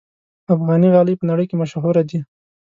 افغاني غالۍ په نړۍ کې مشهوره ده.